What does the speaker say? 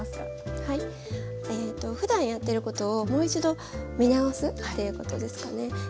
はいふだんやってることをもう一度見直すっていうことですかね。